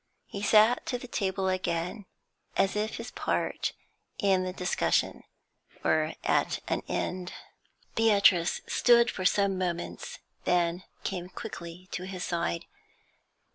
He sat to the table again, as if his part in the discussion were at an end. Beatrice stood for some moments, then came quickly to his side.